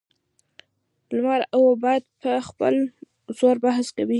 لمر او باد په خپل زور بحث کاوه.